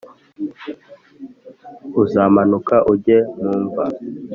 uzamanuka ujye mu mva